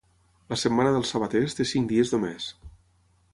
La setmana dels sabaters té cinc dies només.